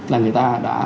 là người ta đã